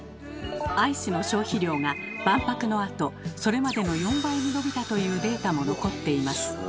アイスの消費量が万博のあとそれまでの４倍に伸びたというデータも残っています。